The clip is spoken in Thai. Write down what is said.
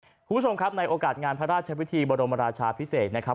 คุณผู้ชมครับในโอกาสงานพระราชวิธีบรมราชาพิเศษนะครับ